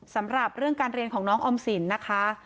สำหรับเรื่องการเรียนของน้องออมสินนะคะ